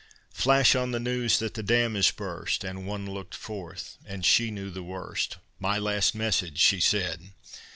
"Flash on the news that the dam has burst," And one looked forth, and she knew the worst, "My last message!" she said.